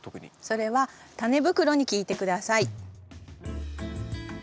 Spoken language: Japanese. それはタネ袋に聞いて下さい。